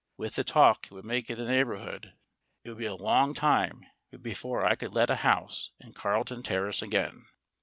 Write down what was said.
With the talk it would make in the neighbor hood, it would be a long time before I could let a house in Carlton Terrace again.